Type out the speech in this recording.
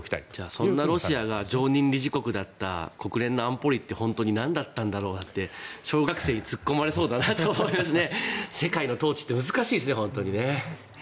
そんなロシアが常任理事国だった国連の安保理って本当になんだったんだろうかって小学生に突っ込まれそうだなと思いますね。